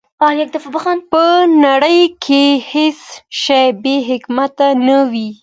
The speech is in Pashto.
په نړۍ کي هیڅ شی بې حکمه نه وي.